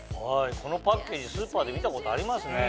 このパッケージスーパーで見たことありますね。